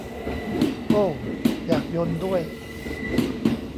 โอ้ว อยากยลด้วย